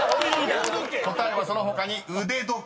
［答えはその他に「腕時計」］